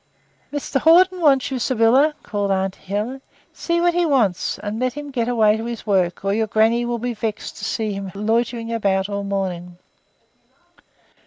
"Mr Hawden wants you, Sybylla," called aunt Helen. "See what he wants and let him get away to his work, or your grannie will be vexed to see him loitering about all the morning."